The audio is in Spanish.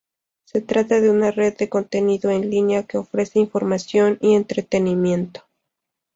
Se trata de una red de contenido en línea que ofrece información y entretenimiento.